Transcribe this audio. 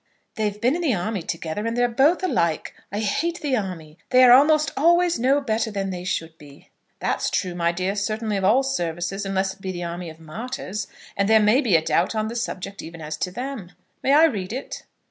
"They've been in the army together, and they're both alike. I hate the army. They are almost always no better than they should be." "That's true, my dear, certainly of all services, unless it be the army of martyrs; and there may be a doubt on the subject even as to them. May I read it?"